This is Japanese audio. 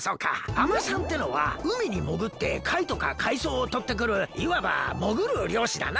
海女さんってのはうみにもぐってかいとかかいそうをとってくるいわばもぐるりょうしだな。